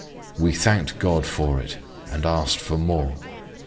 We thanked God for it, and asked for more.